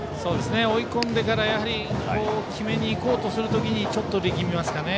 追い込んでから、やはり決めに行こうとする時にちょっと力みますかね。